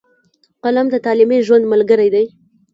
قلم د تعلیمي ژوند ملګری دی.